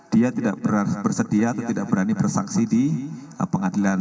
dia tidak bersedia atau tidak berani bersaksi di pengadilan